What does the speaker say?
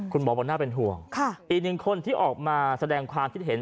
คุณหมอบอกน่าเป็นห่วงอีกหนึ่งคนที่ออกมาแสดงความคิดเห็น